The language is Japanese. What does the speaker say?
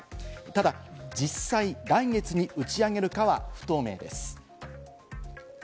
ただ実際、来月に打ち上げるかは不透明です。